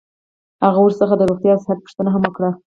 هغه ورڅخه د روغتیا او صحت پوښتنه هم وکړه.